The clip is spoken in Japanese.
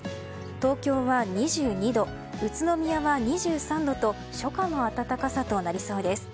東京は２２度、宇都宮は２３度と初夏の暖かさとなりそうです。